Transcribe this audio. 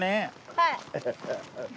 はい。